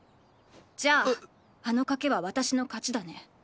じゃああの賭けは私の勝ちだね。